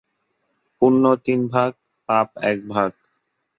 পুণ্য তিন ভাগ, পাপ এক ভাগ।